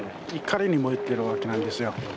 怒りに燃えてるわけなんですよ。